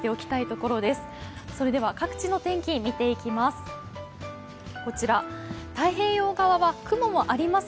それでは、各地の天気見ていきます。